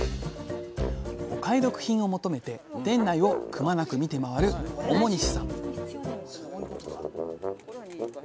お買い得品を求めて店内をくまなく見て回る表西さん